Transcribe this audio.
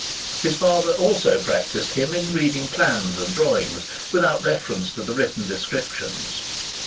His father also practised him in reading plans and drawings without reference to the written descriptions.